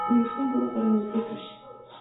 Өнгөрсөн пүрэв гаригийн үдээс хойш.